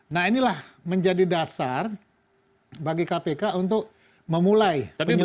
nah inilah menjadi dasar bagi kpk untuk memulai penyelidikan